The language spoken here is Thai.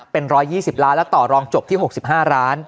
เป็น๑๒๐ล้านและต่อรองจบที่๖๕ล้าน